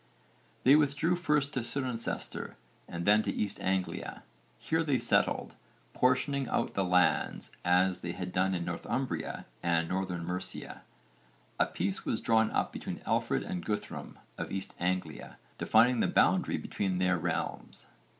They withdrew first to Cirencester and then to East Anglia. Here they settled, portioning out the land as they had done in Northumbria and Northern Mercia. A peace was drawn up between Alfred and Guthrum of East Anglia defining the boundary between their realms.